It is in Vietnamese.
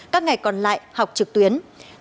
các ngày còn lại học trực tuyến